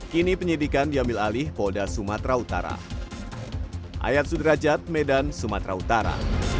kini penyidikan diambil alih polda sumatera utara